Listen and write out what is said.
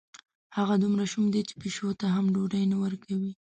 هغه دومره شوم دی، چې پیشو ته هم ډوډۍ نه ورکوي.